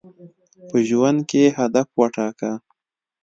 په ژوند کي هدف وټاکه.